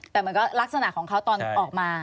แต่มันก็ลักษณะของเขาตอนออกมา